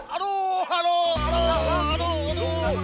aduh aduh aduh aduh